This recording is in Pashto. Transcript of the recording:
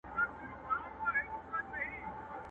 له نارنج تر انارګله له پامیره تر کابله!!